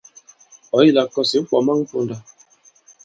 Ɔ̀̌ yi la kɔ̀s ǐ kwɔ̀ man ponda.